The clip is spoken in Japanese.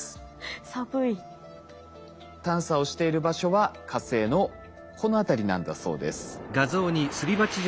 探査をしている場所は火星のこの辺りなんだそうです。